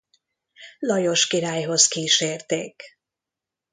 Lajos királyhoz kísérték.